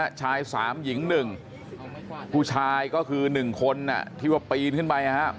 ชายสามหญิงหนึ่งผู้ชายก็คือหนึ่งคนที่ว่าปีนขึ้นไปนะครับ